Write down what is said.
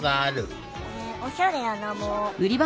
おしゃれやなもう。